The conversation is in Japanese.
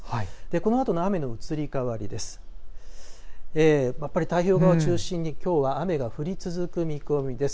このあとの雨の移り変わりです。